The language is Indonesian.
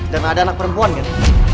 di rumah ada anak perempuan kan